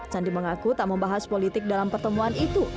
sandi mengaku tak membahas politik dalam pertemuan itu